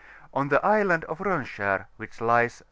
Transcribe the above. — On the Island of Ronskar, which lies S.